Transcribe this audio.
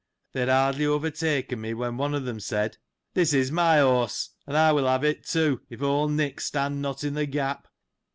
They had hardly overtaken me, when one of them said, " This is my horse, and I will have it, too, if old Nick stand not in the gap."